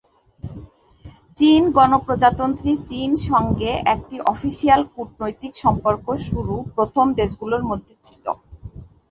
চীন গণপ্রজাতন্ত্রী চীন সঙ্গে একটি অফিসিয়াল কূটনৈতিক সম্পর্ক শুরু প্রথম দেশগুলোর মধ্যে ছিল।